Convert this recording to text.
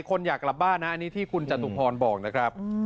คนอยากกลับบ้านนะอันนี้ที่คุณจตุพรบอกนะครับ